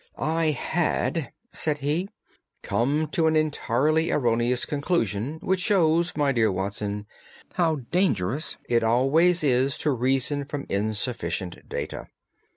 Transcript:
"I had," said he, "come to an entirely erroneous conclusion which shows, my dear Watson, how dangerous it always is to reason from insufficient data.